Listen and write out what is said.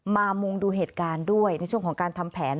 มุงดูเหตุการณ์ด้วยในช่วงของการทำแผน